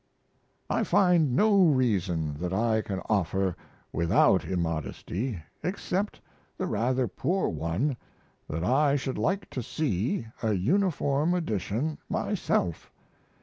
I find no reason that I can offer without immodesty except the rather poor one that I should like to see a "Uniform Edition" myself.